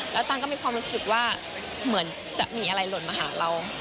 แล้วตันก็มีความรู้สึกว่าเหมือนจะมีอะไรหล่นมาหาเรา